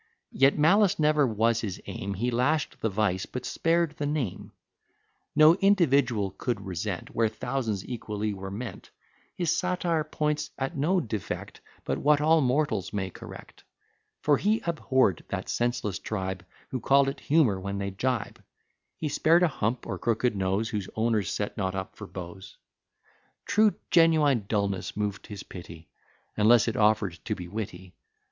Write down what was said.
Yet malice never was his aim; He lash'd the vice, but spared the name; No individual could resent, Where thousands equally were meant; His satire points at no defect, But what all mortals may correct; For he abhorr'd that senseless tribe Who call it humour when they gibe: He spared a hump, or crooked nose, Whose owners set not up for beaux. True genuine dulness moved his pity, Unless it offer'd to be witty.